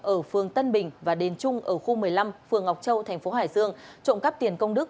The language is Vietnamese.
ở phường tân bình và đền trung ở khu một mươi năm phường ngọc châu thành phố hải dương trộm cắp tiền công đức